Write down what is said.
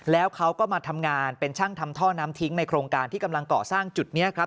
แล้วเขาก็มาทำงานเป็นช่างทำท่อน้ำทิ้งในโครงการที่กำลังก่อสร้างจุดนี้ครับ